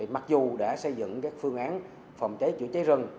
mặc dù đã xây dựng các phương án phòng cháy chữa cháy rừng